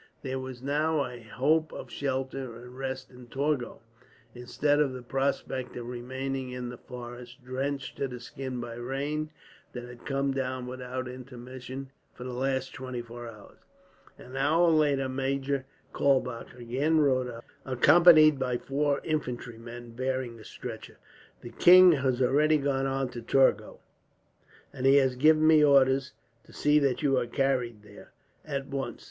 There was now a hope of shelter and rest in Torgau, instead of the prospect of remaining in the forest, drenched to the skin by the rain that had come down, without intermission, for the last twenty four hours. An hour later Major Kaulbach again rode up, accompanied by four infantry men bearing a stretcher. "The king has already gone on to Torgau, and he has given me orders to see that you are carried there, at once.